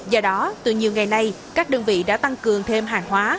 do đó từ nhiều ngày nay các đơn vị đã tăng cường thêm hàng hóa